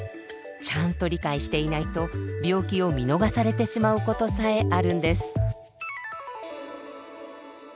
ちゃんと理解していないと病気を見逃されてしまうことさえあるんです。